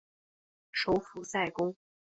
首府塞公。